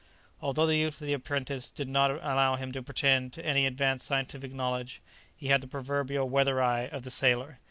Although the youth of the apprentice did not allow him to pretend to any advanced scientific knowledge, he had the proverbial "weather eye" of the sailor.